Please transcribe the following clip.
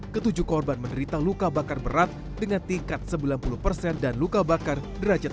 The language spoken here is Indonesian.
ketujuh korban menderita luka bakar berat dengan tingkat sembilan puluh persen dan luka bakar derajat